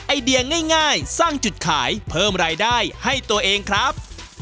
ไอเดียง่ายสร้างจุดขายเพิ่มรายได้ให้ตัวเองครับ